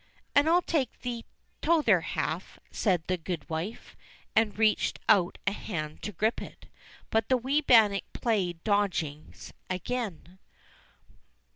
"And I'll take the tother half," says the goodwife, and reached out a hand to grip it. But the wee bannock played dodgings again.